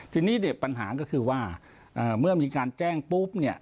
ทีนี้ปัญหาก็คือว่าเมื่อมีการแจ้งปุ๊บ